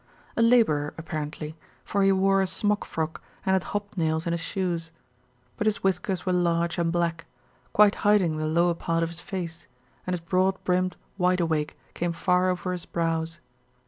A laborer, apparently, for he wore a smock frock and had hobnails in his shoes; but his whiskers were large and black, quite hiding the lower part of his face, and his broad brimmed "wide awake" came far over his brows.